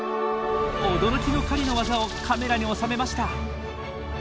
驚きの狩りの技をカメラに収めました。